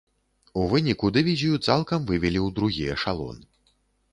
У выніку, дывізію цалкам вывелі ў другі эшалон.